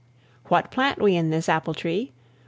What plant we in this apple tree?